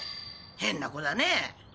変な子だね。